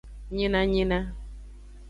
Nyinanyina.